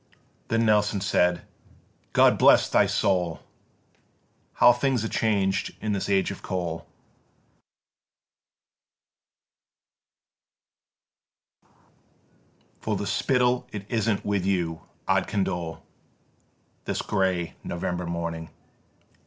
8. Then Nelson said: "God bless my soul! How things are changed in this age of coal; For the spittle it isn't with you I'd condole This grey November morning.